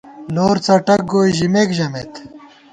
لور څٹک گوئے ژِمېک ژمېت